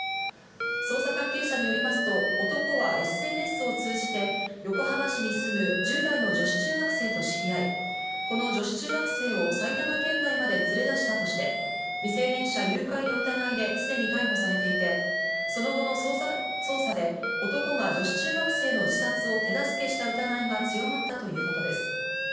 捜査関係者によりますと、男はＳＮＳを通じて、横浜市に住む１０代の女子中学生と知り合い、この女子中学生を埼玉県内まで連れ出したとして、未成年者誘拐の疑いですでに逮捕されていて、その後の捜査で男が女子中学生の自殺を手助けした疑いが強まったということです。